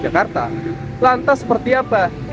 jika kita melihat langsung keturunan lapangan